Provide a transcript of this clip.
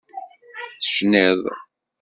Tecnid.